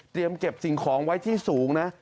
เตรียมเก็บสิ่งของไว้ที่สูงนะ